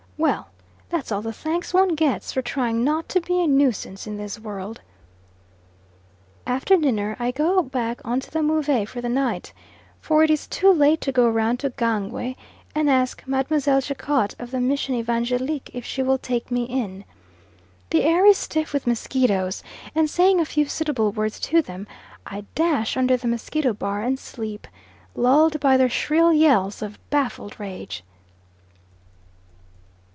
Well! that's all the thanks one gets for trying not to be a nuisance in this world. After dinner I go back on to the Move for the night, for it is too late to go round to Kangwe and ask Mme. Jacot, of the Mission Evangelique, if she will take me in. The air is stiff with mosquitoes, and saying a few suitable words to them, I dash under the mosquito bar and sleep, lulled by their shrill yells of baffled rage.